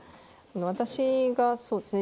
私がそうですね